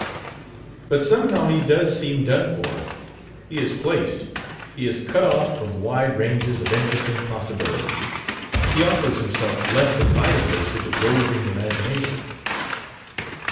"But somehow he does seem done for. He is placed; he is cut off from wide ranges of interesting possibilities; he offers himself less invitingly to the roving imagination...."